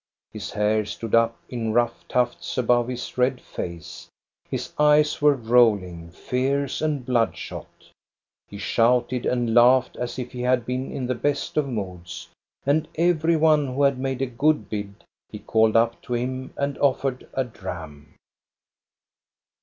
His hair stood up in rough tufts above his red face ; his eyes were rolling, fierce, and bloodshot. He shouted and laughed, as if he had been in the best of moods; and every one who had made a good bid he called up to him and offered a dram.